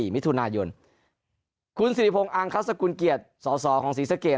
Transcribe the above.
มิถุนายนคุณสิริพงศ์อังคัสกุลเกียรติสอสอของศรีสะเกด